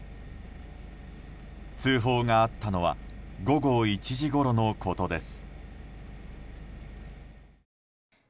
通報があったのは午後１時ごろのことです。